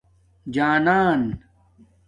جانان